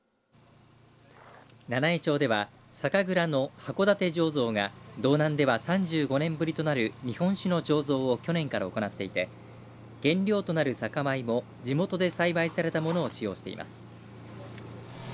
七飯町では酒蔵の箱館醸蔵が道南では、３５年ぶりとなる日本酒の醸造を去年から行っていて原料となる酒米も地元で栽培されたものを使用しています。